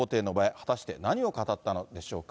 果たして何を語ったのでしょうか。